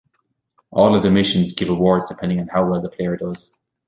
All of the missions give awards depending on how well the player does.